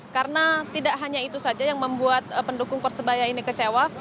karena tidak hanya itu saja yang membuat pendukung persebaya ini kecewa